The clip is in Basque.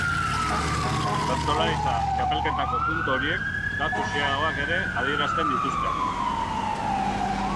Bertsolaritza txapelketako puntu horiek datu xeheagoak ere adierazten dituzte.